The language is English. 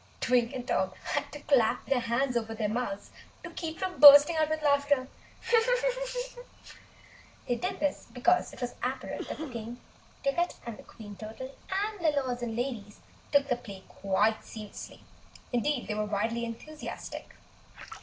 Twink and Tom had to clap their hands over their mouths to keep from bursting out with laughter. They did this because it was apparent that King Ticket, Queen Curtain, and the Lords and Ladies took the play quite seriously. Indeed, they were wildly enthusiastic.